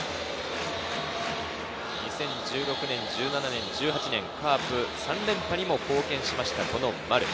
２０１６年、１７年、１８年、カープ３連覇に貢献した丸。